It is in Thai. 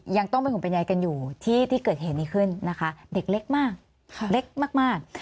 ยังต้องเป็นห่วงเป็นใยกันอยู่ที่เกิดเหตุนี้ขึ้นนะคะเด็กเล็กมากเล็กมาก